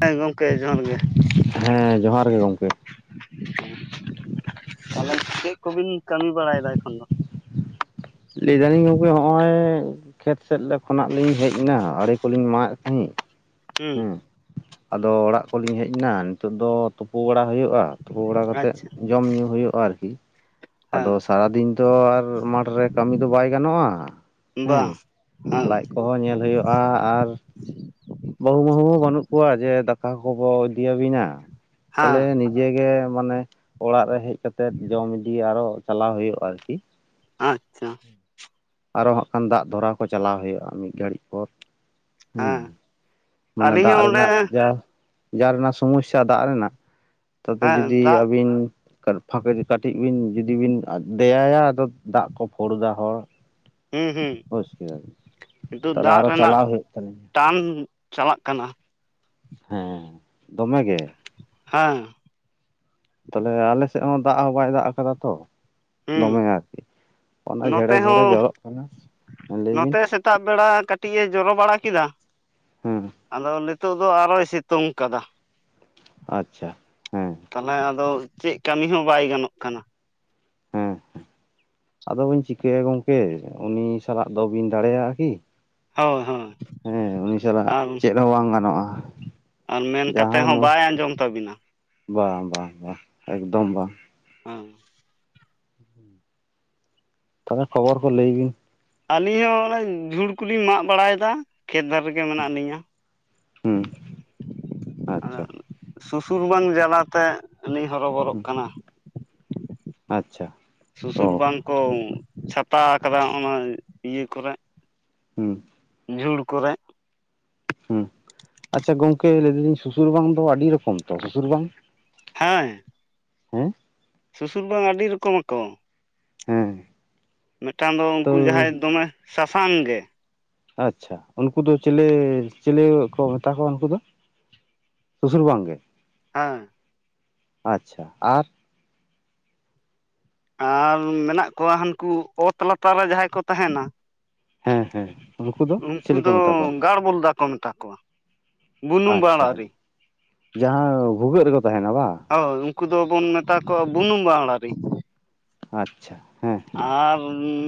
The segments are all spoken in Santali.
ᱦᱮᱸ, ᱜᱚᱝᱠᱮ ᱡᱚᱦᱟᱨ ᱜᱮ᱾ ᱦᱮᱸ ᱡᱚᱦᱟᱨ ᱜᱮ ᱜᱚᱢᱠᱮ ᱛᱟᱦᱚᱞᱮ ᱪᱮᱱ ᱠᱚᱵᱤᱱ ᱠᱟᱹᱢᱤ ᱵᱟᱲᱟᱭᱮᱫᱟ ᱮᱠᱷᱚᱱ ᱫᱚ? ᱞᱟᱹᱭ ᱫᱟᱞᱤᱧ ᱜᱚᱝᱠᱮ, ᱦᱚᱜ-ᱚᱭ ᱠᱷᱮᱛ ᱥᱮᱫ ᱠᱷᱚᱱᱟᱜ ᱞᱤᱧ ᱦᱮᱡ ᱮᱱᱟ ᱟᱲᱮ ᱠᱚᱞᱤᱧ ᱢᱟᱜ ᱮᱫ ᱛᱟᱦᱮᱱ ᱾ ᱦᱩᱸ᱾ ᱟᱫᱚ ᱚᱲᱟᱜ ᱠᱚᱞᱤᱧ ᱦᱮᱡ ᱮᱱᱟ ᱱᱤᱛᱳᱜ ᱫᱚ ᱛᱩᱯᱩ ᱵᱟᱲᱟ ᱦᱩᱭᱩᱜ ᱟ ᱛᱩᱯᱩ ᱵᱟᱲᱟ ᱠᱟᱛᱮᱫ ᱟᱪᱪᱷᱟ ᱡᱚᱢ ᱧᱩ ᱦᱩᱭᱩᱜ-ᱟ ᱟᱨᱠᱤ᱾ ᱟᱫᱚ ᱦᱮᱸ ᱥᱟᱨᱟᱫᱤᱱ ᱛᱚ ᱟᱨ ᱢᱟᱴᱷᱨᱮ ᱠᱟᱹᱢᱤ ᱫᱚ ᱵᱟᱭ ᱜᱟᱱᱚᱜᱼᱟ ᱾ [unintelligible] ᱵᱟᱝ ᱾ ᱞᱟᱡ ᱠᱚᱦᱚᱸ ᱧᱮᱞ ᱦᱳᱭᱳᱜᱼᱟ ᱾ᱟᱨ ᱵᱟᱹᱦᱩ ᱢᱟᱹᱦᱩ ᱦᱚᱸ ᱵᱟᱹᱱᱩᱜ ᱠᱚᱣᱟ ᱡᱮ ᱫᱟᱠᱟ ᱠᱚᱵᱚ ᱤᱫᱤᱭᱟᱹᱵᱤᱱᱟ ᱦᱮᱸ ᱛᱟᱦᱞᱮ ᱱᱤᱡᱮ ᱜᱮ ᱢᱟᱱᱮ ᱚᱲᱟᱜ ᱨᱮ ᱦᱮᱡ ᱠᱟᱛᱮᱜ ᱡᱚᱢ ᱤᱫᱤ ᱟᱨᱚ ᱪᱟᱞᱟᱣ ᱦᱩᱭᱩᱜᱼᱟ ᱟᱨᱠᱤ ᱾ ᱟᱪ ᱪᱷᱟ ᱟᱨᱚ ᱦᱟᱸᱜ ᱠᱷᱟᱱ ᱫᱟᱜ ᱫᱷᱚᱨᱟᱣ ᱠᱚ ᱪᱟᱞᱟᱣ ᱦᱩᱭᱩᱜᱼᱟ ᱢᱤᱫ ᱜᱷᱟᱹᱲᱤᱡ ᱯᱚᱨ ᱾ ᱦᱩᱸ ᱦᱮᱸ ᱢᱟᱱᱮ ᱟᱹᱞᱤᱧ ᱫᱟᱜ ᱦᱚᱸ ᱚᱸᱰᱮ ᱨᱮᱱᱟᱜ ᱡᱟ ᱡᱟᱨ ᱨᱮᱱᱟᱜ ᱥᱚᱢᱚᱥᱥᱟ ᱫᱟᱜ ᱨᱮᱱᱟᱜ ᱛᱚᱛᱮ ᱦᱮᱸ ᱡᱩᱫᱤ ᱫᱟᱜ ᱟᱹᱵᱤᱱ ᱛᱟᱨ ᱯᱷᱟᱸᱠ ᱨᱮ ᱠᱟᱹᱴᱤᱡ ᱵᱤᱱ ᱡᱩᱫᱤ ᱵᱤᱱ ᱟᱫᱮᱭᱟᱭᱟ ᱟᱫᱚ ᱫᱟᱜ ᱠᱚ ᱯᱷᱳᱲᱫᱟ ᱦᱚᱲ ᱾ ᱦᱩᱸ ᱦᱩᱸ ᱱᱤᱛᱚᱜ ᱛᱟᱦᱚᱞᱮ ᱫᱟᱜ ᱟᱨᱚ ᱨᱮᱱᱟᱜ ᱪᱟᱞᱟᱣ ᱦᱩᱭᱩᱜ ᱛᱟᱹᱞᱤᱧᱟ ᱴᱟᱱ ᱪᱟᱞᱟᱜ ᱠᱟᱱᱟ ᱾ ᱦᱮᱸ ᱫᱚᱢᱮ ᱜᱮ ᱾ ᱦᱟᱝ ᱛᱟᱞᱦᱮ ᱟᱞᱮᱥᱮᱫ ᱦᱚᱸ ᱫᱟᱜ ᱦᱚᱸ ᱵᱟᱭ ᱫᱟᱜ ᱠᱟᱫᱟ ᱛᱚ ᱾ ᱦᱩᱸ ᱫᱚᱢᱮ ᱟᱨᱠᱤ ᱚᱱᱟ ᱡᱷᱮᱲᱮ ᱱᱚᱛᱮ ᱡᱷᱮᱲᱮ ᱦᱚᱸ ᱡᱚᱨᱚᱜ ᱠᱟᱱᱟ ᱢᱟ ᱞᱟᱹᱭ ᱵᱤᱱᱼᱼ ᱛᱟᱜ ᱵᱮᱲᱟ ᱠᱟᱹᱴᱤᱡ ᱮ ᱡᱚᱨᱚ ᱵᱟᱲᱟ ᱠᱮᱫᱟ᱾ ᱦᱩᱸ ᱟᱫᱚ ᱱᱤᱛᱳᱜ ᱫᱚ ᱟᱨᱚᱭ ᱥᱤᱛᱩᱝ ᱠᱟᱫᱟ᱾ ᱟᱪᱪᱷᱟ ᱦᱮᱸ ᱛᱟᱞᱮ ᱟᱫᱚ ᱪᱮᱜ ᱠᱟᱹᱢᱤ ᱦᱚᱸ ᱵᱟᱭ ᱜᱟᱱᱚᱜ ᱠᱟᱱᱟ᱾ ᱦᱮᱸ ᱟᱫᱚ ᱵᱤᱱ ᱪᱤᱠᱟᱹᱭᱟ ᱜᱚᱝᱠᱮ ᱩᱱᱤ ᱥᱟᱞᱟᱜ ᱫᱚ ᱵᱤᱱ ᱫᱟᱲᱮᱭᱟᱜ-ᱟ ᱟᱨᱠᱤ? ᱦᱳᱭ ᱦᱳᱭ ᱦᱮᱸ ᱩᱱᱤ ᱥᱟᱞᱟᱜ ᱟᱨ ᱪᱮᱜ ᱦᱚᱸ ᱵᱟᱝ ᱜᱟᱱᱚᱜ-ᱟ ᱾ ᱟᱨ ᱢᱮᱱ ᱠᱟᱛᱮ ᱦᱚᱸ ᱵᱟᱭ ᱟᱸᱡᱚᱢ ᱛᱟᱵᱤᱱᱟ᱾ ᱵᱟᱝ ᱵᱟᱝ ᱵᱟᱝ ᱮᱠᱫᱚᱢ ᱵᱟᱝ᱾ [inaudible] ᱛᱚᱵᱮ ᱠᱷᱚᱵᱚᱨ ᱠᱚ ᱞᱟᱹᱭ ᱵᱤᱱ? ᱟᱹᱞᱤᱧ ᱦᱚᱸ ᱚᱱᱮ ᱡᱷᱩᱲ ᱠᱚᱞᱤᱧ ᱢᱟᱜ ᱵᱟᱲᱟᱭᱫᱟ ᱠᱷᱮᱛ ᱫᱷᱟᱨᱮᱼᱼ ᱜᱮ ᱢᱮᱱᱟᱜ ᱱᱤᱧᱟᱹ ᱦᱩᱸ [inaudible] [inaudible] ᱟᱪᱪᱷᱟ ᱟᱸᱜ ᱥᱩᱥᱩᱨᱵᱟᱝ ᱡᱟᱞᱟᱛᱮ ᱟᱹᱱᱤᱡ ᱦᱚᱨᱚᱵᱚᱨᱚᱜ ᱦᱩᱸ ᱠᱟᱱᱟ᱾ ᱟᱪᱪᱷᱟ, ᱥᱩᱥᱩᱨ ᱚ ᱵᱟᱝ ᱠᱚ ᱪᱷᱟᱛᱟ ᱟᱠᱟᱫᱟ ᱚᱱᱟ ᱤᱭᱟᱹ ᱠᱚᱨᱮᱜ᱾ ᱦᱩᱸ ᱡᱷᱩᱲ ᱠᱚᱨᱮ᱾ ᱦᱩᱸ ᱟᱪᱪᱷᱟ ᱜᱚᱝᱠᱮ ᱞᱟᱹᱭ ᱫᱟᱞᱤᱧ ᱥᱩᱥᱩᱨ ᱵᱟᱝ ᱫᱚ ᱟᱹᱰᱤ ᱨᱚᱠᱚᱢ ᱛᱚ ᱥᱩᱥᱩᱨ ᱵᱟᱝ? ᱦᱮᱸ ᱦᱮᱸ? ᱥᱩᱥᱩᱨ ᱵᱟᱝ ᱟᱹᱰᱤ ᱨᱚᱠᱚᱢ ᱟᱠᱚ ᱾ ᱦᱮᱸ᱾ ᱢᱮᱴᱟᱹᱝ ᱫᱚ ᱛᱚ ᱩᱱᱠᱩ ᱡᱟᱦᱟᱸᱭ ᱫᱚᱢᱮ ᱥᱟᱥᱟᱝ ᱜᱮ ᱾ ᱟᱪᱪᱷᱟ ᱩᱱᱠᱩ ᱫᱚ ᱪᱮᱞᱮ ᱪᱮᱞᱮ ᱠᱚ ᱢᱮᱛᱟ ᱠᱚᱣᱟ ᱩᱱᱠᱩ ᱫᱚ? ᱥᱩᱥᱩᱨ ᱵᱟᱝᱜᱮ ᱾ ᱦᱮᱸ᱾ ᱟᱪᱪᱷᱟ ᱟᱨ ᱟᱨ ᱢᱮᱱᱟᱜ ᱠᱚᱣᱟ ᱦᱟᱹᱱᱠᱩ ᱚᱛ ᱞᱟᱛᱟᱨ ᱨᱮ ᱡᱟᱦᱟᱸᱭ ᱠᱚ ᱛᱟᱦᱮᱱᱟ᱾ ᱦᱮᱸ ᱦᱮᱸ ᱾ ᱩᱱᱠᱩ ᱫᱚ ᱪᱤᱞᱤ ᱠᱚ ᱢᱮᱛᱟ ᱠᱚᱣᱟ? ᱢᱩᱞᱫᱟ ᱠᱚ ᱢᱮᱛᱟ ᱠᱚᱣᱟ ᱾ ᱟᱪᱪᱷᱟ ᱾ [inaudible] ᱡᱟᱦᱟᱸ ᱵᱷᱩᱜᱟᱹᱜ ᱨᱮᱠᱚ ᱛᱟᱦᱮᱱᱟ ᱵᱟᱝ? ᱦᱳᱭ ᱩᱱᱠᱩ ᱫᱚᱵᱚᱱ ᱢᱮᱛᱟ ᱠᱚᱣᱟ ᱵᱩᱱᱩᱢ ᱵᱟᱣᱲᱟᱨᱤᱡ ᱾ ᱟᱪᱪᱷᱟ ᱦᱮᱸ ᱦᱮᱸ [inaudible] ᱟᱨᱻ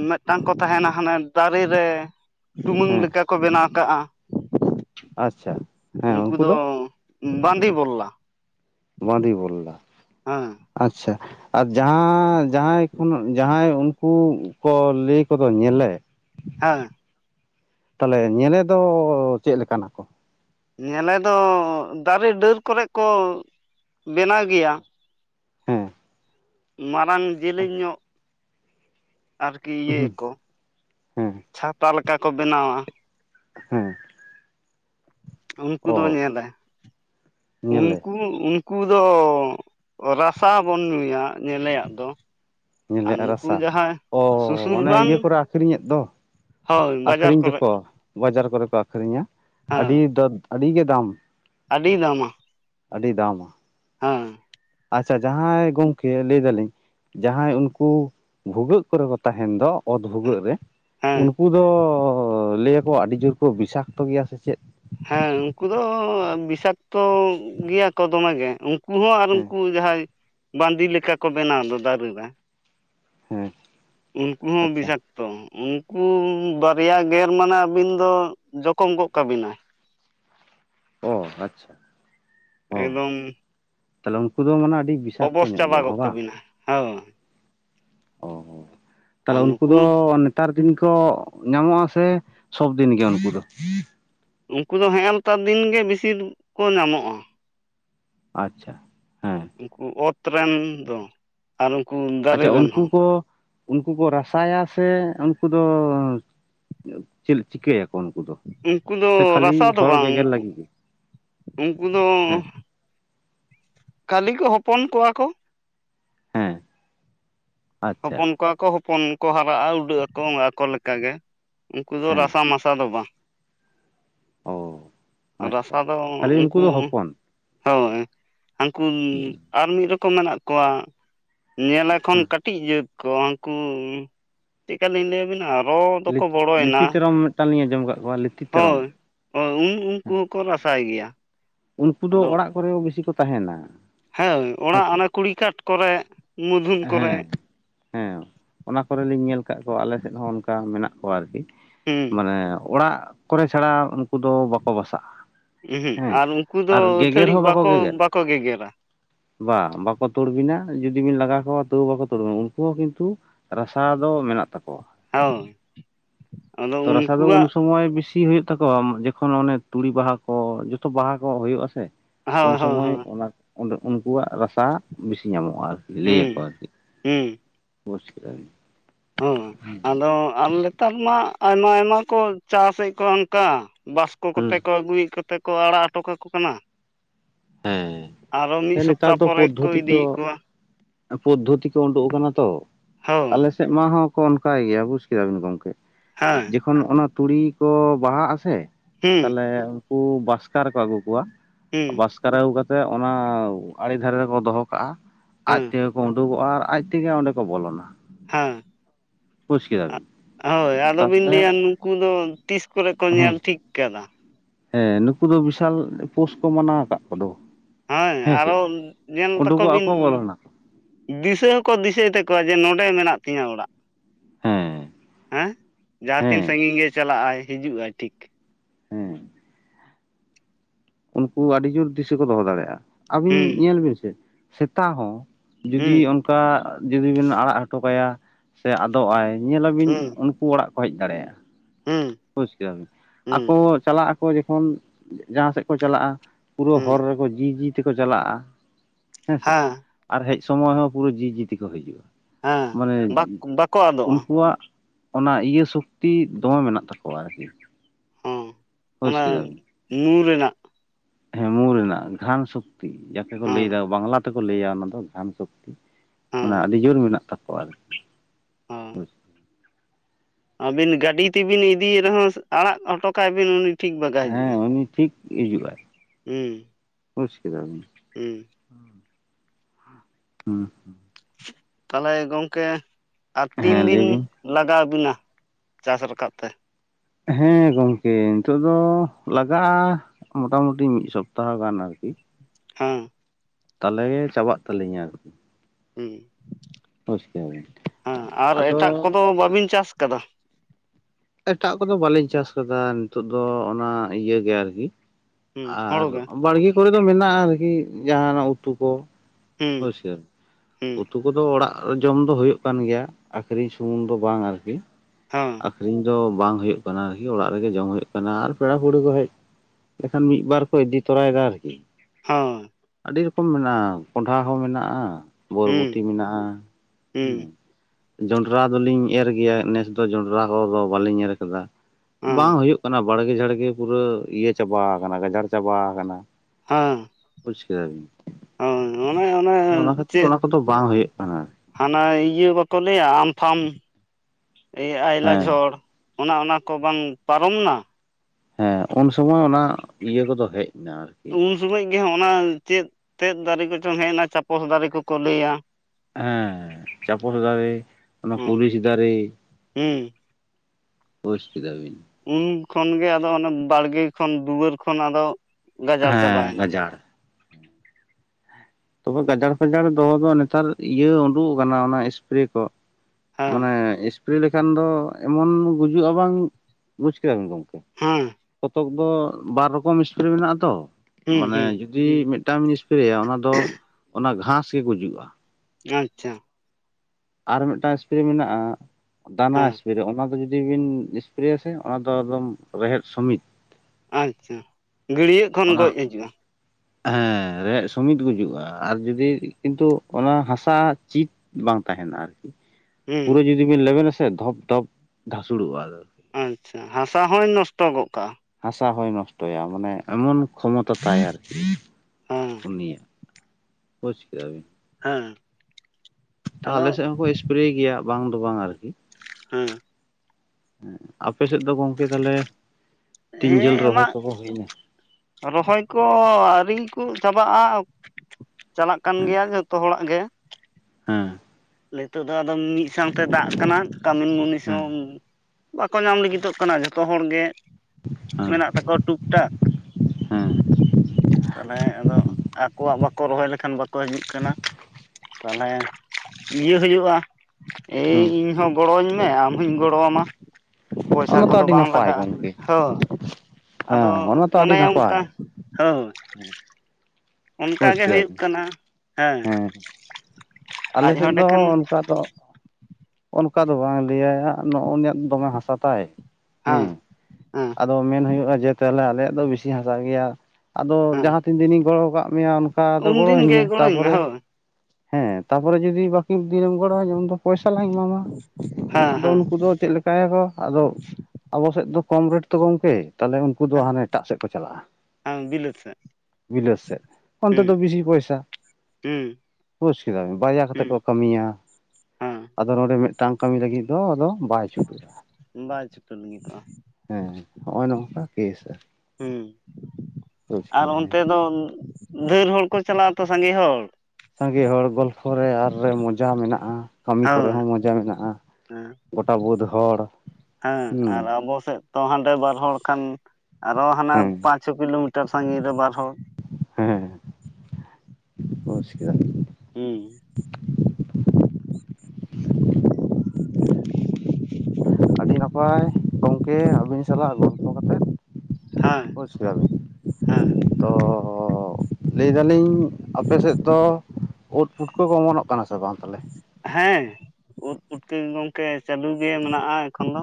ᱢᱮᱫ [unintelligible] ᱠᱚ ᱛᱟᱦᱮᱸᱱᱟ ᱦᱟᱱᱮ ᱫᱟᱨᱮ ᱨᱮ ᱴᱩᱢᱟᱹᱝ ᱦᱮᱸ ᱞᱮᱠᱟ ᱠᱚ ᱵᱮᱱᱟᱣ ᱠᱟᱜ-ᱟ ᱾ [inaudible] [inaudible] ᱩᱱᱠᱩ ᱫᱚ ᱵᱟᱸᱫᱤ ᱵᱚᱞᱞᱟ᱾ ᱵᱟᱸᱫᱤ ᱵᱚᱞᱞᱟ ᱾ ᱦᱮᱸ ᱾ ᱟᱪᱪᱷᱟ ᱾ ᱟᱨ ᱡᱟᱦᱟᱸ ᱡᱟᱦᱟᱸᱭ ᱠᱷᱚᱱ ᱡᱟᱦᱟᱸᱭ ᱩᱱᱠᱩ ᱠᱚ ᱞᱟᱹᱭ ᱠᱚᱫᱚ ᱧᱮᱞᱮ [inaudible] ᱦᱮᱸ ᱾ ᱛᱟᱦᱚᱞᱮ ᱧᱮᱞᱮ ᱫᱚ ᱪᱮᱫ ᱞᱮᱠᱟᱱ ᱟᱠᱚ? ᱧᱮᱞᱮ ᱫᱚ ᱫᱟᱨᱮ ᱰᱟᱹᱨ ᱠᱚᱨᱮ ᱠᱚ ᱵᱮᱱᱟᱣ ᱜᱮᱭᱟ ᱾ ᱦᱮᱸ ᱾ ᱢᱟᱨᱟᱝ ᱡᱮᱞᱮᱧ ᱧᱚᱜ ᱟᱨᱠᱤ ᱦᱮᱸ ᱤᱭᱟᱹᱭᱟᱠᱚ [inaudible] ᱪᱷᱟᱛᱟ ᱞᱮᱠᱟ ᱠᱚ ᱵᱮᱱᱟᱣᱟ᱾ ᱦᱮᱸ ᱾ [inaudible] ᱩᱱᱠᱩ ᱫᱚ ᱧᱮᱞᱮ ᱾ [inaudible] ᱧᱮᱞᱮ ᱩᱱᱠᱩ ᱩᱱᱠᱩ ᱫᱚᱻ ᱨᱟᱥᱟ ᱵᱚᱱ ᱧᱩᱭᱟ ᱧᱮᱞᱮᱭᱟᱜ ᱫᱚ ᱾ ᱧᱮᱞᱮᱟᱜ ᱨᱟᱥᱟ ᱾ [inaudible] ᱚ ᱥᱩᱥᱩᱨ ᱚᱱᱮ ᱵᱟᱝ ᱤᱭᱟᱹ ᱠᱚᱨᱮ ᱟᱠᱷᱨᱤᱧᱮᱫ ᱫᱚ ᱾ ᱦᱳᱭ ᱵᱟᱡᱟᱨ ᱟᱠᱷᱨᱤᱧ ᱠᱚᱨᱮ ᱛᱮᱠᱚ ᱵᱟᱡᱟᱨ ᱠᱚᱨᱮ ᱠᱚ ᱟᱠᱷᱨᱤᱧᱟ ᱟᱹᱰᱤ ᱦᱮᱸ ᱫᱚᱨ ᱟᱹᱰᱤ ᱜᱮ ᱫᱟᱢ ᱾ ᱟᱹᱰᱤ ᱫᱟᱢᱟ ᱾ ᱟᱹᱰᱤ ᱫᱟᱢᱟ ᱾ ᱦᱮᱸ ᱾ ᱟᱪᱪᱷᱟ ᱡᱟᱦᱟᱸᱭ ᱜᱚᱝᱠᱮ ᱞᱟᱹᱭ ᱮᱫᱟᱞᱤᱧ ᱡᱟᱦᱟᱸᱭ ᱩᱱᱠᱩ ᱵᱷᱩᱜᱟᱹᱜ ᱠᱚᱨᱮ ᱠᱚ ᱛᱟᱦᱮᱱ ᱫᱚ ᱚᱛ ᱵᱷᱩᱜᱟᱹᱜ ᱨᱮ ᱦᱮᱸ ᱩᱱᱠᱩ ᱫᱚᱻ ᱞᱟᱹᱭᱟᱠᱚ ᱟᱹᱰᱤ ᱡᱳᱨ ᱠᱚ ᱵᱤᱥᱟᱠᱛᱚ ᱜᱮᱭᱟ ᱥᱮ ᱪᱮᱫ ᱾ ᱦᱮᱸ ᱩᱱᱠᱩ ᱫᱚᱻ ᱵᱤᱥᱟᱠᱛᱚ ᱜᱮᱭᱟ ᱠᱚ ᱫᱚᱢᱮ ᱜᱮ ᱾ ᱩᱱ ᱠᱩ ᱦᱚᱸ ᱟᱨ ᱦᱮᱸ ᱩᱱᱠᱩ ᱡᱟᱦᱟᱸᱭ ᱵᱟᱸᱫᱤ ᱞᱮᱠᱟ ᱠᱚ ᱵᱮᱱᱟᱣ ᱫᱚ ᱫᱟᱨᱤ ᱨᱮ ᱾ ᱦᱮᱸ ᱾ ᱩᱱᱠᱩ ᱦᱚᱸ ᱵᱤᱥᱟᱠᱛᱚ ᱾ ᱩᱱᱠᱩ ᱵᱟᱨᱭᱟ ᱜᱮᱨ ᱢᱟᱱᱮ ᱟᱹᱵᱤᱱ ᱫᱚ ᱡᱚᱠᱷᱚᱢ ᱜᱚᱜ ᱠᱟᱵᱤᱱᱟᱭ ᱾ ᱚ ᱟᱪᱪᱷᱟ ᱾ [inaudible] ᱮᱠᱫᱚᱢ ᱛᱟᱦᱚᱞᱮ ᱩᱱᱠᱩ ᱫᱚ ᱢᱟᱱᱮ ᱟᱹᱰᱤ ᱵᱤ ᱚᱵᱚᱥ ᱪᱟᱵᱟ ᱜᱚᱜ ᱠᱟᱵᱤᱱᱟ, ᱦᱳᱭ ᱾ ᱟᱨ ᱛᱟᱦᱞᱮ ᱩᱱᱠᱩ ᱫᱚ ᱱᱩᱠᱩ ᱱᱮᱛᱟᱨ ᱫᱤᱱ ᱠᱚ ᱧᱟᱢᱚᱜ-ᱟ ᱥᱮ ᱥᱚᱵ ᱫᱤᱱ ᱜᱮ ᱩᱱᱠᱩ ᱫᱚ? ᱩᱱᱠᱩ ᱫᱚ ᱦᱮᱸᱜ-ᱮ ᱱᱮᱟᱛᱟᱨ ᱫᱤᱱ ᱜᱮ ᱵᱤᱥᱤ ᱠᱚ ᱧᱟᱢᱚᱜ-ᱟ ᱾ ᱟᱪᱪᱷᱟ ᱾ [inaudible] ᱦᱮᱸ ᱾ ᱩᱱᱠᱩ ᱚᱛ ᱨᱮᱱ ᱫᱚ [inaudible] ᱟᱨ ᱩᱱᱠᱩ ᱫᱟᱨᱮ ᱟᱪᱪᱷᱟ ᱨᱮᱱ ᱩᱱᱠᱩ ᱦᱚᱸ ᱾ ᱠᱚ ᱩᱱᱠᱩ ᱠᱚ ᱨᱟᱥᱟᱭᱟ ᱥᱮ ᱩᱱᱠᱩ ᱫᱚ [inaudible] ᱪᱤᱠᱟᱹᱭᱟᱠ ᱩᱱᱠᱩ ᱫᱚ ᱨᱟᱥᱟ ᱫᱚ ᱵᱟᱝ ᱜᱮᱜᱮᱨ ᱠᱩ ᱞᱟᱹᱜᱤᱫ ᱜᱮ [inaudible] ᱩᱱᱠᱩ ᱫᱚ ᱦᱮᱸ ᱠᱟᱹᱞᱤ ᱠᱚ ᱦᱚᱯᱚᱱ ᱠᱚᱣᱟ ᱠᱚ᱾ ᱦᱮᱸ ᱟᱪᱪᱷᱟ ᱦᱚᱯᱚᱱ ᱠᱚᱣᱟ ᱠᱚ ᱦᱚᱯᱚᱱ ᱠᱚ ᱦᱟᱨᱟᱜᱼᱟ ᱩᱰᱟᱹᱜ ᱟᱠᱚ ᱟᱠᱚ ᱞᱮᱠᱟᱜᱮ᱾ ᱩᱱᱠᱩ ᱫᱚ ᱦᱮᱸ ᱨᱟᱥᱟ ᱢᱟᱥᱟ ᱫᱚ ᱵᱟᱝ᱾ ᱚ ᱨᱟᱥᱟ ᱟᱪᱪᱷᱟ ᱫᱚ ᱠᱷᱟᱹᱞᱤ ᱩᱱᱠᱩ ᱫᱚ ᱩᱱ ᱦᱚᱯᱚᱱ ᱦᱳᱭ ᱦᱟᱱᱠᱩ ᱦᱩᱸ ᱟᱨ ᱢᱤᱫ ᱨᱚᱠᱚᱢ ᱢᱮᱱᱟᱜ ᱠᱚᱣᱟ᱾ ᱧᱮᱞᱮ ᱠᱷᱚᱱ ᱠᱟᱹᱴᱤᱡ ᱡᱟᱹᱛ ᱠᱚ ᱩᱱᱠᱩ, ᱪᱮᱫᱠᱟᱞᱤᱧ ᱞᱟᱹᱭᱟᱵᱤᱱᱟ ᱟᱨ᱾ ᱞᱤᱛ ᱞᱤᱛᱤ ᱛᱮᱨᱚᱢ ᱢᱤᱫᱴᱟᱝ ᱞᱤᱧ ᱟᱸᱡᱚᱢ ᱟᱠᱟᱫ ᱠᱚᱣᱟ ᱞᱤᱧ᱾ ᱦᱳᱭ ᱦᱳᱭ ᱩᱱ ᱩᱱᱠᱩ ᱦᱚᱸᱠᱚ ᱨᱟᱥᱟᱭ ᱜᱮᱭᱟ᱾ ᱩᱱᱠᱩ ᱫᱚ ᱚᱲᱟᱜ ᱠᱚᱨᱮ ᱵᱮᱥᱤ ᱠᱚ ᱛᱟᱦᱮᱱᱟ᱾ ᱦᱮᱭ ᱚᱲᱟᱜ ᱦᱮᱸᱥᱮ ᱚᱱᱟ ᱠᱩᱲᱤ ᱠᱟᱴ ᱠᱚᱨᱮ ᱢᱩᱫᱷᱩᱢ ᱠᱚᱨᱮ᱾ ᱦᱮᱸ ᱦᱮᱸ ᱚᱱᱟ ᱠᱚᱨᱮ ᱞᱤᱧ ᱧᱮᱞ ᱟᱠᱟᱫ ᱠᱚᱣᱟ ᱟᱞᱮ ᱥᱮᱫ ᱦᱚᱸ ᱚᱱᱠᱟ ᱢᱮᱱᱟᱜ ᱠᱚᱣᱟ ᱟᱨᱠᱤ᱾ ᱦᱩᱸ ᱢᱟᱱᱮ ᱚᱲᱟᱜ ᱠᱚᱨᱮ ᱪᱷᱟᱲᱟ ᱩᱱᱠᱩ ᱫᱚ ᱵᱟᱠᱚ ᱵᱟᱥᱟᱜᱼᱟ᱾ ᱩᱸ ᱦᱩᱸ ᱦᱮᱸ ᱟᱨ ᱩᱱᱠᱩ ᱫᱚ ᱟᱨ ᱜᱮᱜᱮᱨ ᱟᱹᱛᱷᱟᱹᱲᱤ ᱵᱟᱠᱚ ᱵᱟᱠᱚ ᱜᱮᱜᱮᱨᱟ᱾ ᱵᱟ ᱵᱟᱠᱚ ᱛᱩᱲᱵᱤᱱᱟ ᱡᱩᱫᱤᱵᱤᱱ ᱞᱟᱜᱟ ᱠᱚᱣᱟ ᱛᱟᱹᱣ ᱵᱟᱠᱚ ᱛᱩᱲᱵᱤᱱᱟ᱾ ᱩᱱᱠᱩ ᱦᱚᱸ ᱠᱤᱱᱛᱩ ᱨᱟᱥᱟ ᱫᱚ ᱢᱮᱱᱟᱜ ᱦᱳᱭ ᱟᱫᱚ ᱛᱚᱠᱚᱭᱟ᱾ ᱨᱟᱥᱟ ᱫᱚ ᱩᱱ ᱩᱱᱠᱩᱣᱟᱜ ᱥᱚᱢᱚᱭ ᱵᱮᱥᱤ ᱦᱩᱭᱩᱜ ᱛᱟᱠᱚᱣᱟ ᱡᱚᱠᱷᱚᱱ ᱚᱱᱮ ᱛᱩᱲᱤ ᱵᱟᱦᱟ ᱠᱚ, ᱡᱚᱛᱚ ᱵᱟᱦᱟ ᱠᱚ ᱦᱩᱭᱩᱜ ᱟ ᱥᱮ᱾ ᱦᱳᱭ ᱦᱳᱭ ᱩᱱᱥᱚᱢᱚᱭ ᱦᱳᱭ ᱚᱱᱟ ᱚᱸᱰᱮ ᱩᱱᱠᱩᱣᱟᱜ ᱨᱟᱥᱟ ᱵᱮᱥᱤ ᱧᱟᱢᱚᱜᱼᱟ ᱟᱨᱠᱤ᱾ ᱞᱟᱹᱭ ᱦᱩᱸ ᱟᱠᱚ ᱟᱨᱠᱤ᱾ ᱦᱳᱭ ᱟᱫᱚ ᱟᱞᱮ ᱱᱮᱛᱟᱨ ᱢᱟ ᱟᱭᱢᱟ-ᱟᱭᱢᱟ ᱠᱚ ᱪᱟᱥᱮᱫ ᱠᱚᱣᱟ ᱚᱱᱠᱟ, ᱵᱟᱥᱠᱚ ᱦᱩᱸ ᱠᱚᱛᱮ ᱠᱚ ᱟᱹᱜᱩᱭᱮᱫ ᱠᱚ ᱛᱮᱠᱚ ᱟᱲᱟᱜ ᱦᱚᱴᱚ ᱠᱟᱠᱚ ᱠᱟᱱᱟ᱾ ᱟᱨᱚ ᱢᱤᱫ ᱦᱮᱸ ᱱᱮᱛᱟᱨ ᱥᱚᱯᱛᱟᱦ ᱫᱚ ᱯᱚᱨᱮ ᱯᱚᱫᱽᱫᱷᱚᱛᱤ ᱠᱚ ᱤᱫᱤᱭᱮᱫ ᱠᱚᱣᱟ ᱯᱚᱫᱽᱫᱷᱚᱛᱤ ᱠᱚ ᱩᱰᱩᱠ ᱟᱠᱟᱱᱟ ᱛᱚ ᱾ ᱦᱸ [unintelligible] ᱟᱞᱮ ᱥᱮᱫ ᱢᱟ ᱦᱚᱸᱠᱚ ᱚᱱᱠᱟᱭ ᱜᱮᱭᱟ, ᱵᱩᱡᱽ ᱠᱮᱫᱟᱵᱤᱱ ᱜᱚᱢᱠᱮ ᱦᱮᱸ ᱾ ᱡᱚᱠᱷᱚᱱ ᱚᱱᱟ ᱛᱩᱲᱤ ᱠᱚ ᱵᱟᱦᱟᱜ ᱟᱥᱮ ᱦᱩᱸ ᱛᱟᱦᱚᱞᱮ ᱩᱱᱠᱩ ᱵᱟᱥᱠᱟᱨ ᱨᱮ ᱠᱚ ᱟᱹᱜᱩ ᱠᱚᱣᱟ ᱦᱩᱸ ᱾ ᱵᱟᱥᱠᱟ ᱨᱮ ᱟᱹᱜᱩ ᱠᱟᱛᱮᱫ ᱚᱱᱟ ᱟᱲᱮ ᱫᱷᱟᱨᱮ ᱨᱮᱠᱚ ᱫᱚᱦᱚ ᱠᱟᱜᱼᱟ ᱟᱡ ᱦᱮᱸ ᱛᱮᱜᱮ ᱠᱚ ᱩᱰᱩ ᱠᱚᱜ-ᱟ ᱟᱡᱛᱮᱜᱮ ᱚᱸᱰᱮ ᱠᱚ ᱵᱚᱞᱚᱱᱟ ᱾ ᱦᱮᱸ ᱵᱩᱡᱽ ᱠᱮᱫᱟ ᱵᱤᱱ? ᱦᱳᱭ ᱟᱫᱚᱵᱤᱱ ᱞᱟᱹᱭᱟ ᱱᱩᱠᱩ ᱫᱚ ᱛᱤᱥ ᱠᱚᱨᱮ ᱠᱚ ᱦᱮᱸ ᱧᱮᱞ ᱴᱷᱤᱠ ᱟᱠᱟᱫᱟ ᱾ ᱦᱮᱸ ᱱᱩᱠᱩ ᱫᱚ ᱵᱤᱥᱟᱞ ᱯᱳᱥ ᱠᱚ ᱢᱟᱱᱟᱣ ᱟᱠᱟᱫ ᱠᱚᱫᱚ ᱾ ᱦᱮᱭ ᱟᱨ ᱦᱚᱸ ᱧᱮᱞ ᱛᱟᱠᱚ ᱩᱰᱩᱠᱚᱜ ᱵᱤᱱ ᱟᱠᱚ ᱵᱚᱞᱚᱱᱟ ᱫᱤᱥᱟᱹ ᱦᱚᱸᱠᱚ ᱫᱤᱥᱟᱹᱭ ᱛᱟᱠᱚᱣᱟ ᱡᱮ ᱱᱚᱸᱰᱮ ᱢᱮᱱᱟᱜ ᱛᱤᱧᱟᱹ ᱚᱲᱟᱜ ᱾ ᱦᱮᱸ ᱦᱮᱸ ᱡᱟᱦᱟᱸ ᱛᱤᱱ ᱦᱮᱸ ᱥᱟᱺᱜᱤᱧ ᱜᱮᱭ ᱪᱟᱞᱟᱜᱼᱟᱭ ᱦᱤᱡᱩᱜᱼᱟᱭ ᱴᱷᱤᱠ ᱾ ᱦᱮᱸ ᱩᱱᱠᱩ ᱟᱹᱰᱤ ᱡᱳᱨ ᱫᱤᱥᱟᱹ ᱠᱚ ᱫᱚᱦᱚ ᱫᱟᱲᱮᱭᱟᱜᱼᱟ ᱦᱩᱸ ᱟᱹᱵᱤᱱ ᱧᱮᱞ ᱵᱤᱱ ᱥᱮ ᱥᱮᱛᱟᱜ ᱦᱚᱸ ᱦᱩᱸ ᱡᱩᱫᱤ ᱚᱱᱠᱟ ᱡᱩᱫᱤ ᱵᱤᱱ ᱟᱲᱟᱜ ᱦᱚᱴᱚ ᱠᱟᱭᱟ, ᱥᱮ ᱟᱫᱚᱜᱟᱭ ᱧᱮᱞᱟᱵᱤᱱ ᱦᱩᱸ ᱠᱩ ᱚᱲᱟᱜ ᱠᱚ ᱦᱮᱡ ᱫᱟᱲᱮᱭᱟᱜᱼᱟ ᱦᱩᱸ ᱵᱩᱡ ᱠᱮᱫᱟᱢ ᱦᱩᱸ ᱟᱠᱚ ᱪᱟᱞᱟᱜ ᱟᱠᱚ ᱟᱠᱚ ᱡᱚᱠᱷᱚᱱ ᱡᱟᱦᱟᱸ ᱥᱮᱫ ᱠᱚ ᱪᱟᱞᱟᱜᱼᱟ ᱯᱩᱨᱟᱹ ᱦᱩᱸ ᱦᱚᱨ ᱨᱮᱠᱚ ᱡᱤ ᱡᱤ ᱛᱮᱠᱚ ᱪᱟᱞᱟᱜᱼᱟ ᱾ ᱦᱮᱸᱥᱮ ᱦᱮᱸ ᱟᱨ ᱦᱮᱡ ᱥᱚᱢᱚᱭ ᱦᱚᱸ ᱯᱩᱨᱟᱹ ᱡᱤ ᱡᱤ ᱛᱮ ᱠᱚ ᱦᱤᱡᱩᱜᱼᱟ ᱦᱮᱸ ᱾ ᱢᱟᱱᱮ ᱵᱟᱠ ᱵᱟᱠᱚ ᱟᱫᱚᱜᱼᱟ ᱩᱱᱠᱩᱣᱟᱜ ᱚᱱᱟ ᱤᱭᱟᱹ ᱥᱚᱠᱛᱤ ᱫᱚᱢᱮ ᱢᱮᱱᱟᱜ ᱛᱟᱠᱚᱣᱟ ᱟᱨᱠᱤ ᱦᱮᱸ ᱵᱩᱡ ᱚᱱᱟ ᱠᱮᱫᱟᱢ ᱧᱩ ᱨᱮᱱᱟᱜ ᱦᱮᱸ ᱢᱩᱸ ᱨᱮᱱᱟᱜ ᱜᱷᱟᱱ ᱥᱩᱠ ᱛᱤ ᱡᱟᱠᱮ ᱠᱚ ᱦᱮᱸ ᱞᱟᱹᱭᱫᱟ ᱵᱟᱝᱞᱟ ᱛᱮᱠᱚ ᱞᱟᱹᱭᱟ ᱚᱱᱟ ᱫᱚ ᱜᱷᱟᱱ ᱥᱚᱠᱛᱤ ᱾ ᱢᱟᱱᱮ ᱦᱮᱸ ᱟᱹᱰᱤ ᱡᱳᱨ ᱢᱮᱱᱟᱜ ᱛᱟᱠᱚᱣᱟ ᱟᱨ ᱦᱮᱸ ᱟᱹᱵᱤᱱ ᱜᱟᱹᱰᱤ ᱛᱮᱵᱤᱱ ᱤᱫᱤᱭᱮᱜ ᱨᱮᱦᱚᱸ ᱟᱲᱟᱜ ᱦᱚᱴᱚ ᱠᱟᱭ ᱵᱤᱱ ᱩᱱᱤ ᱴᱷᱤᱠ ᱵᱟᱜᱟᱭ ᱦᱮᱸ ᱩᱱᱤ ᱴᱷᱤᱠ ᱦᱤᱡᱩᱜ ᱟᱭ ᱾ ᱩᱸ ᱵᱩᱡ ᱠᱮᱫᱟ ᱵᱤᱱ ᱾ ᱩᱸ ᱦᱩᱸ ᱦᱩᱸ ᱦᱩᱸ ᱛᱟᱦᱚᱞᱮ ᱜᱚᱝᱠᱮ ᱟᱨ ᱛᱤᱱ ᱦᱮᱸ ᱞᱟᱹᱭ ᱫᱤᱱ ᱵᱤᱱ ᱞᱟᱜᱟᱣᱵᱤᱱᱟ ᱪᱟᱥ ᱨᱟᱠᱟᱵ ᱛᱮ? ᱦᱮᱸ ᱜᱚᱢᱠᱮ ᱱᱤᱛᱳᱜ ᱫᱚ ᱞᱟᱜᱟᱜ-ᱟ ᱢᱚᱴᱟ ᱢᱩᱴᱤ ᱢᱤᱫ ᱥᱚᱯᱛᱟᱦᱚ ᱜᱟᱱ ᱟᱨᱠᱤ ᱾ ᱦᱮᱸ ᱛᱟᱦᱚᱞᱮ ᱜᱮ ᱪᱟᱵᱟᱜ ᱛᱟᱹᱟᱞᱤᱧᱟ ᱟᱨᱠᱤ ᱾ ᱦᱩᱸ ᱠᱮᱫᱟᱵᱤᱱ ᱦᱩᱸ ᱟᱨ ᱮᱴᱟᱜ ᱟᱫᱚ ᱠᱚᱫᱚ ᱵᱟᱵᱤᱱ ᱪᱟᱥ ᱠᱟᱫᱟ? ᱮᱴᱟᱜ ᱠᱚᱫᱚ ᱵᱟᱞᱤᱧ ᱪᱟᱥ ᱟᱠᱟᱫᱟ ᱱᱤᱛᱚᱜ ᱫᱚ ᱚᱱᱟ ᱤᱭᱟᱹ ᱜᱮ ᱟᱨᱠᱤ ᱦᱩᱸ ᱦᱳᱲᱳ ᱟᱨ ᱜᱮ ᱵᱟᱲᱜᱮ ᱠᱚᱨᱮ ᱫᱚ ᱢᱮᱱᱟᱜᱼᱟ ᱟᱨᱠᱤ ᱡᱟᱦᱟᱱᱟᱜ ᱩᱛᱩ ᱠᱚ ᱾ ᱦᱩᱸ ᱵᱩᱡᱷ ᱠᱮᱫᱟ ᱵᱤᱱ ᱦᱩᱸ ᱩᱫ ᱩᱛᱩ ᱠᱚᱫᱚ ᱚᱲᱟᱜ ᱡᱚᱢ ᱫᱚ ᱦᱩᱭᱩᱜ ᱠᱟᱱ ᱜᱮᱭᱟ ᱟᱠᱷᱨᱤᱧ ᱥᱩᱢᱩᱝ ᱫᱚ ᱵᱟᱝ ᱟᱨᱠᱤ ᱦᱮᱸ ᱾ ᱟᱠᱷᱨᱤᱧ ᱫᱚ ᱵᱟᱝ ᱦᱩᱭᱩᱜ ᱠᱟᱱᱟ ᱟᱨᱠᱤ ᱚᱲᱟᱜ ᱨᱮᱜᱮ ᱡᱚᱢ ᱦᱩᱭᱩᱜ ᱠᱟᱱᱟ ᱟᱨ ᱯᱮᱲᱟ ᱯᱟᱹᱲᱦᱟᱹ ᱠᱚ ᱦᱮᱡ ᱦᱮ ᱞᱮᱠᱷᱟᱱ ᱢᱤᱫᱵᱟᱨ ᱠᱚ ᱤᱫᱤ ᱛᱚᱨᱟᱭᱮᱫᱟ ᱟᱨᱠᱤ ᱾ ᱦᱚᱸ ᱟᱹᱰᱤ ᱨᱚᱠᱚᱢ ᱢᱮᱱᱟᱜᱼᱟ ᱠᱚᱸᱰᱷᱟ ᱦᱚᱸ ᱢᱮᱱᱟᱜᱼᱟ, ᱦᱩᱸ ᱵᱚᱨᱵᱚᱴᱤ ᱢᱮᱱᱟᱜᱼᱟ ᱦᱩᱸ ᱦᱮᱸ ᱡᱚᱸᱰᱨᱟ ᱫᱚᱞᱤᱧ ᱮᱨ ᱜᱮᱭᱟ ᱱᱮᱥ ᱫᱚ ᱡᱚᱸᱰᱨᱟ ᱦᱚᱸ ᱵᱟᱹᱞᱤᱧ ᱮᱨ ᱠᱟᱫᱟ ᱦᱮᱸ ᱵᱟᱝ ᱦᱩᱭᱩᱜ ᱠᱟᱱᱟ ᱵᱟᱲᱜᱮ ᱡᱷᱟᱲᱜᱮ ᱯᱩᱨᱟᱹ ᱤᱭᱟᱹ ᱪᱟᱵᱟ ᱟᱠᱟᱱᱟ ᱜᱟᱡᱟᱲ ᱪᱟᱵᱟ ᱟᱠᱟᱱᱟ ᱾ ᱦᱳᱭ ᱵᱩᱡ ᱠᱮᱭᱟ ᱵᱤᱱ ᱾ ᱚᱱᱮ ᱚᱱᱟ ᱪᱮᱫ ᱠᱚᱫᱚ ᱵᱟᱝ ᱦᱩᱭᱩᱜ ᱠᱟᱱᱟ ᱦᱟᱱᱟ ᱤᱭᱟᱹ ᱵᱟᱠᱚ ᱞᱟᱹᱭᱟ ᱟᱱᱯᱷᱟᱱ ᱤᱭᱟᱹ ᱟᱭᱞᱟ ᱦᱮᱸ ᱡᱷᱚᱲ ᱚᱱᱮ ᱚᱱᱟ ᱠᱚ ᱵᱟᱝ ᱯᱟᱨᱚᱢᱱᱟ ᱦᱮᱸ ᱩᱱ ᱥᱚᱢᱚᱭ ᱚᱱᱟ ᱤᱭᱟᱹ ᱠᱚᱫᱚ ᱦᱮᱡ ᱮᱱᱟ [inaudible] ᱩᱱ ᱥᱚᱢᱚᱭ ᱜᱮ ᱦᱟᱸᱜ ᱟᱱᱟᱝ ᱪᱮᱫ ᱛᱮᱫ ᱫᱟᱨᱮ ᱠᱚᱪᱚᱝ ᱦᱮᱡᱱᱟ ᱪᱟᱯᱚᱥ ᱫᱟᱨᱮ ᱠᱚᱠᱚ ᱞᱟᱹᱭᱟ ᱦᱮᱸ ᱪᱟᱯᱚᱥ ᱫᱟᱨᱮ ᱚᱱᱟ ᱦᱮᱸ ᱯᱩᱞᱤᱥ ᱫᱟᱨᱮ ᱦᱮᱸ ᱯᱳᱥ ᱠᱮᱫᱟ ᱵᱤᱱ ᱩᱱ ᱠᱷᱚᱱ ᱜᱮ ᱟᱫᱚ ᱚᱱᱟ ᱵᱟᱲᱜᱮ ᱠᱷᱚᱱ ᱫᱩᱣᱟᱹᱨ ᱠᱷᱚᱱ ᱟᱫᱚ ᱜᱟᱡᱟᱲ ᱦᱮᱸ ᱪᱟᱵᱟᱭᱮᱱᱟ ᱜᱟᱡᱟᱲ ᱛᱚᱵᱮ ᱜᱟᱡᱟᱲ ᱯᱟᱡᱟᱲ ᱫᱚᱦᱚ ᱫᱚ ᱱᱮᱛᱟᱨ ᱤᱭᱟᱹ ᱩᱰᱩᱩᱜ ᱟᱠᱟᱱᱟ ᱚᱱᱟ ᱥᱯᱨᱮ ᱠᱚ ᱦᱮᱸ ᱢᱟᱱᱮ ᱮᱥᱯᱨᱮ ᱞᱮᱠᱷᱟᱱ ᱫᱚ ᱮᱢᱚᱱ ᱜᱩᱡᱩᱜᱼᱟ ᱵᱟᱝ ᱵᱩᱡ ᱠᱮᱜᱼᱟ ᱵᱤᱱ ᱜᱚᱝᱠᱮ ᱦᱮᱸ ᱯᱚᱛᱚᱵ ᱫᱚ ᱵᱟᱨ ᱨᱚᱠᱚᱢ ᱮᱥᱯᱨᱮ ᱢᱮᱱᱟᱜᱼᱟ ᱛᱚ ᱦᱩᱸ ᱢᱟᱱᱮ ᱦᱩᱸ ᱡᱩᱫᱤ ᱢᱤᱫᱴᱟᱝ ᱥᱯᱨᱮᱭᱟ ᱚᱱᱟᱫᱚ ᱚᱱᱟ ᱜᱷᱟᱸᱥ ᱜᱮ ᱜᱩᱡᱩᱜᱼᱟ᱾ ᱟᱪᱪᱷᱟ ᱟᱨ ᱢᱤᱫᱴᱟᱝ ᱮᱥᱯᱨᱮ ᱢᱮᱱᱟᱜᱼᱟ ᱫᱟᱱᱟ ᱦᱮᱸ ᱮᱥᱯᱨᱮ ᱚᱱᱟ ᱫᱚ ᱡᱩᱫᱤ ᱵᱤᱱ ᱮᱯᱨᱮᱭᱟ ᱥᱮ ᱚᱱᱟ ᱫᱚ ᱮᱠᱫᱚᱢ ᱨᱮᱦᱮᱫ ᱥᱚᱢᱤᱛ ᱟᱪᱪᱷᱟ ᱜᱤᱲᱭᱟᱹᱜ ᱠᱷᱚᱱ ᱚᱱᱟ ᱜᱚᱡ ᱦᱤᱡᱩᱜᱼᱟ᱾ ᱦᱮᱸ ᱨᱮᱦᱮᱛ ᱥᱩᱢᱤᱛ ᱜᱩᱡᱩᱜᱼᱟ ᱟᱨ ᱡᱩᱫᱤ ᱠᱤᱱᱛᱩ ᱚᱱᱟ ᱦᱟᱥᱟ ᱪᱤᱴ ᱵᱟᱝ ᱛᱟᱦᱮᱱᱟ ᱟᱨᱠᱤ ᱦᱮᱸ ᱯᱩᱨᱟᱹ ᱡᱩᱫᱤ ᱵᱮᱱ ᱞᱮᱵᱮᱱᱟᱥᱮ ᱫᱷᱚᱯ ᱛᱚᱯ ᱫᱷᱟᱥᱩᱲᱚᱜᱼᱟ ᱾ ᱟᱪᱪᱷᱟ ᱦᱟᱥᱟ ᱦᱚᱭ ᱱᱚᱥᱴᱚ ᱜᱚᱜ ᱠᱟᱜᱼᱟ ᱾ ᱦᱟᱥᱟ ᱦᱚᱸᱭ ᱱᱚᱥᱴᱚᱭᱟ ᱢᱟᱱᱮ ᱮᱢᱚᱱ ᱠᱷᱚᱢᱚᱛᱟ ᱛᱟᱭ ᱟᱨᱠᱤ ᱦᱮᱸ ᱾ ᱩᱱᱤᱭᱟᱜ ᱠᱷᱳᱡ ᱠᱮᱫᱟ ᱵᱤᱱ ᱾ [inaudible] ᱛᱟ ᱟᱫᱚ ᱟᱞᱮ ᱥᱮᱜ ᱦᱚᱸᱠᱚ ᱮᱥᱯᱨᱮ ᱜᱮᱭᱟ ᱵᱟᱝ ᱫᱚ ᱵᱟᱝ ᱟᱨᱠᱤ ᱾ ᱦᱮᱸ [inaudible] ᱟᱯᱮ ᱥᱮᱫ ᱫᱚ ᱜᱚᱝᱠᱮ ᱛᱟᱞᱮ? ᱦᱮᱸ ᱮᱢᱟᱜ ᱨᱚᱦᱚᱭ ᱠᱚ ᱟᱹᱣᱨᱤ ᱠᱩ ᱪᱟᱵᱟᱜᱼᱟ ᱪᱟᱞᱟᱜ ᱠᱟᱱ ᱦᱮᱸ ᱜᱮᱭᱟ ᱡᱷᱚᱛᱚ ᱦᱚᱲᱟᱜ ᱜᱮ ᱾ ᱦᱮᱸ ᱱᱤᱛᱚᱜ ᱫᱚ ᱟᱫᱚ ᱢᱤᱜ ᱥᱟᱝᱛᱮ ᱫᱟᱜ ᱠᱟᱱᱟ ᱠᱟᱹᱢᱤ ᱢᱩᱱᱤᱥ ᱦᱮᱸ ᱦᱚᱸ ᱵᱟᱠᱚ ᱧᱟᱢ ᱞᱟᱹᱜᱤᱫᱚᱜ ᱠᱟᱱᱟ ᱡᱷᱚᱛᱚ ᱦᱚᱲᱜᱮ ᱾ ᱦᱮᱸ ᱢᱮᱱᱟᱜ ᱛᱟᱠᱚᱣᱟ ᱴᱩᱠᱼᱴᱟᱠ ᱾ ᱛᱟᱞᱮ ᱟᱫᱚ ᱟᱠᱚᱣᱟᱜ ᱵᱟᱠᱚ ᱨᱚᱦᱚᱭ ᱞᱮᱠᱷᱟᱱ ᱵᱟᱠᱚ ᱦᱤᱡᱩᱜ ᱠᱟᱱᱟ ᱛᱟᱦᱞᱮ ᱤᱭᱟᱹ ᱦᱳᱭᱳᱜᱼᱟ ᱮᱭ ᱦᱮᱸ ᱤᱧ ᱦᱚᱸ ᱜᱚᱲᱚᱟᱹᱧ ᱢᱮ ᱟᱢ ᱦᱚᱧ ᱜᱚᱲᱚ ᱟᱢᱟ ᱾ ᱯᱚᱭᱥᱟ ᱚᱱᱟ ᱛᱚ ᱠᱚᱫᱚ ᱟᱹᱰᱤ ᱵᱟᱝ ᱱᱟᱯᱟᱭ ᱞᱟᱜᱟᱜᱼᱟ ᱜᱚᱝᱠᱮ ᱦᱳ ᱟᱫᱚ ᱦᱮᱸ ᱚᱱᱟ ᱛᱚ ᱟᱹᱰᱤ ᱚᱱᱮ ᱚᱝᱠᱟ ᱱᱟᱯᱟᱭ [inaudible] ᱵᱩᱡᱽ ᱚᱱᱠᱟᱜᱮ ᱠᱮᱫᱟ ᱦᱳᱭᱳᱜ ᱵᱤᱱ ᱠᱟᱱᱟ ᱦᱮᱸ ᱾ ᱟᱞᱮ ᱥᱮᱫ ᱫᱚ ᱠᱟ ᱫᱚ ᱚᱱᱠᱟ ᱫᱚ ᱵᱟᱝ ᱞᱟᱹᱭᱟ ᱭᱟᱜ ᱱᱚᱜᱼᱚ ᱱᱩᱭᱟᱛ ᱫᱚᱢᱮ ᱦᱟᱥᱟ ᱛᱟᱭ ᱾ [inaudible] ᱟᱫᱚ ᱢᱮᱱ ᱦᱩᱭᱩᱜᱼᱟ ᱡᱮ ᱛᱮᱞᱮ ᱟᱞᱮᱭᱟᱜ ᱫᱚ ᱵᱤᱥᱤ ᱦᱟᱥᱟ ᱜᱮᱭᱟ ᱾ ᱟᱫᱚ ᱦᱮᱸ ᱡᱟᱦᱟᱸ ᱛᱤᱱ ᱫᱤᱱᱤᱧ ᱜᱚᱲᱚ ᱠᱟᱜ ᱢᱮᱭᱟ ᱚᱱᱠᱟ ᱫᱚ ᱩᱱᱫᱤᱱ ᱜᱚᱲᱚᱟᱹᱧ ᱜᱮ ᱢᱮ ᱜᱚᱲᱚᱧ ᱛᱟᱯᱚᱨᱮ ᱦᱳᱭ ᱦᱮᱸ ᱾ ᱛᱟᱯᱚᱨᱮ ᱡᱩᱫᱤ ᱵᱟᱹᱠᱤ ᱫᱤᱱᱮᱢ ᱜᱚᱲ ᱟᱹᱧᱟ ᱩᱱᱫᱚ ᱯᱚᱭᱥᱟ ᱞᱟᱝ ᱮᱢᱟᱢᱟ ᱦᱮᱸ ᱟᱫᱚ ᱦᱮᱸ ᱩᱱᱠᱩ ᱫᱚ ᱪᱮᱜ ᱠᱮᱠ ᱠᱟ ᱭᱟᱠᱚ ᱟᱫᱚ ᱟᱵᱚ ᱥᱮᱫ ᱫᱚ ᱠᱚᱢ ᱨᱮᱴ ᱛᱚ ᱜᱚᱝᱠᱮ ᱛᱟᱞᱮ [unintelligible] ᱠᱩ ᱫᱚ ᱦᱟᱱᱮ ᱮᱴᱟᱜ ᱥᱮᱫ ᱠᱚ ᱪᱟᱞᱟᱜᱼᱟ ᱦᱮᱸ ᱵᱤᱞᱟᱹᱛ ᱥᱮᱫ ᱾ ᱵᱤᱞᱟᱹᱛ ᱥᱮᱫ ᱚᱱᱛᱮ ᱦᱩᱸ ᱫᱚ ᱵᱤᱥᱤ ᱯᱚᱭᱥᱟ ᱦᱩᱸ ᱯᱩᱡ ᱾ ᱠᱮᱫᱟᱵᱤᱱ ᱵᱟᱨᱭᱟ ᱠᱟᱛᱮ ᱦᱩᱸ ᱠᱚ ᱠᱟᱹᱢᱤᱭᱟ ᱦᱮᱸ ᱟᱫᱚ ᱱᱚᱸᱰᱮ ᱢᱤᱫᱴᱟᱝ ᱾ ᱠᱟᱹᱢᱤ ᱞᱟᱹᱜᱤᱫ ᱫᱚ ᱟᱫᱚ ᱵᱟᱭ ᱪᱷᱩᱴᱩᱜᱼᱟ ᱾ [unintelligible] ᱫᱚᱜᱼᱟ ᱦᱮᱸ ᱦᱚᱸᱜᱼᱚᱭ ᱱᱚᱝᱠᱟ ᱠᱮᱥ ᱦᱩᱸ ᱵᱩᱡ ᱾ ᱟᱨ ᱚᱱᱛᱮ ᱫᱚ [inaudible] ᱫᱷᱮᱨ ᱦᱚᱲ ᱠᱚ ᱪᱟᱞᱟᱜ ᱟᱛᱚ ᱥᱟᱸᱜᱮ ᱦᱚᱲ ᱾ ᱥᱟᱸᱜᱮ ᱦᱚᱲ ᱜᱚᱞᱯᱷᱚ ᱨᱮ ᱟᱨ ᱨᱮ ᱢᱚᱡᱟ ᱢᱮᱱᱟᱜᱼᱟ ᱠᱟᱹᱢᱤ ᱠᱚᱨᱮ ᱦᱳᱭ ᱦᱚᱸ ᱢᱚᱡᱟ ᱢᱮᱱᱟᱜᱼᱟ᱾ ᱦᱮᱸ ᱜᱚᱴᱟ ᱵᱟᱹᱫᱽ ᱦᱚᱲ᱾ [unintelligible] ᱟᱨ ᱦᱩᱸ ᱟᱵᱚ ᱥᱮᱫ ᱛᱚ ᱦᱟᱸᱰᱮ ᱵᱟᱨ ᱦᱚᱲ ᱠᱷᱟᱱ ᱟᱨᱚ ᱦᱟᱱᱟ ᱦᱮᱸ ᱯᱟᱸᱪ ᱪᱷᱩᱯᱤ [unintelligible] ᱢᱤᱴᱟᱨ ᱥᱟᱺᱜᱤᱧ ᱨᱮ ᱵᱟᱨ ᱦᱚᱲ᱾ ᱦᱮᱸ ᱵᱩᱡ ᱠᱮᱫᱟ ᱵᱤᱱ? ᱦᱩᱸ᱾ ᱟᱹᱰᱤ ᱱᱟᱯᱟᱭ ᱜᱚᱝᱠᱮ ᱟᱹᱵᱤᱱ ᱥᱟᱞᱟᱜ ᱜᱚᱞᱯᱷᱚ ᱠᱟᱛᱮᱫ᱾ ᱦᱮᱸ [inaudible] ᱵᱩᱡ ᱠᱮᱫᱟᱵᱤᱱ ᱦᱮᱸ ᱛᱚ ᱞᱟᱹᱭ ᱫᱟᱞᱤᱧ ᱟᱯᱮ ᱥᱮᱫ ᱫᱚ ᱳᱴ ᱯᱩᱴᱠᱟᱹ ᱠᱚ ᱚᱢᱚᱱᱚᱜ ᱠᱟᱱᱟ ᱥᱮ ᱵᱟᱝ ᱛᱟᱞᱮ? ᱦᱮᱸ ᱩᱫ ᱯᱩᱴᱠᱟᱹ ᱜᱮ ᱜᱚᱢᱠᱮ ᱪᱟᱹᱞᱩ ᱜᱮ ᱢᱮᱱᱟᱜᱼᱟ ᱮᱠᱷᱚᱱ ᱫᱚ᱾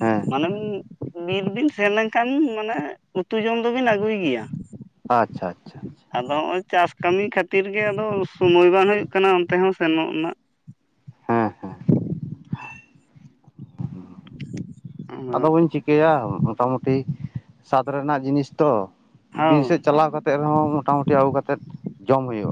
ᱦᱮᱸ ᱢᱟᱱᱮᱢ ᱵᱤᱨ ᱵᱤᱱ ᱥᱮᱱᱞᱮᱱᱠᱷᱟᱱ ᱢᱟᱱᱮ ᱩᱛᱩ ᱡᱚᱢ ᱫᱚᱵᱤᱱ ᱟᱹᱜᱩᱭ ᱜᱮᱭᱟ᱾ ᱟᱪᱪᱷᱟ ᱟᱪᱪᱷᱟ᱾ ᱟᱪᱪᱷᱟ ᱟᱫᱚ ᱦᱮᱸ ᱦᱚᱸᱜᱼᱚᱭ ᱪᱟᱥ ᱠᱟᱹᱢᱤ ᱠᱷᱟᱹᱛᱤᱨ ᱜᱮ ᱟᱫᱚ ᱥᱚᱢᱚᱭ ᱵᱟᱝ ᱦᱩᱭᱩᱜ ᱠᱟᱱᱟ ᱚᱱᱛᱮ ᱦᱚᱸ ᱥᱮᱱᱚᱜ ᱱᱟᱜ᱾ ᱦᱮᱸ ᱦᱮᱸ ᱟᱫᱚ ᱵᱟᱹᱧ ᱪᱤ ᱠᱟᱹᱭᱟ ᱢᱚᱴᱟᱢᱩᱴᱤ ᱥᱟᱛ ᱨᱮᱱᱟᱜ ᱡᱤᱱᱤᱥ ᱛᱚ ᱵᱤᱨ ᱦᱳᱭ ᱥᱮᱜ ᱪᱟᱞᱟᱣ ᱠᱟ ᱠᱟᱛᱮᱜ ᱨᱮᱦᱚᱸ ᱢᱚᱴᱟ ᱢᱩᱩᱴᱤ ᱟᱹᱜᱩ ᱠᱟᱛᱮᱫ ᱡᱚᱢ ᱦᱩᱭᱩᱜᱼᱟ᱾